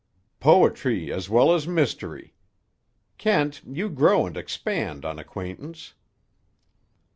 "Poetry as well as mystery! Kent, you grow and expand on acquaintance."